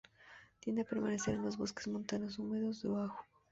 Tiende a permanecer en los bosques montanos húmedos de Oahu.